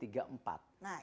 nah itu pak